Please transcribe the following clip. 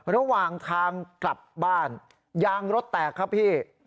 ระหว่างทางกลับบ้านยางรถแตกครับพี่